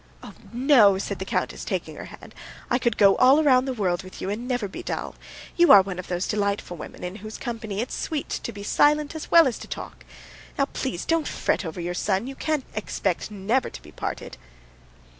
"Oh, no," said the countess, taking her hand. "I could go all around the world with you and never be dull. You are one of those delightful women in whose company it's sweet to be silent as well as to talk. Now please don't fret over your son; you can't expect never to be parted."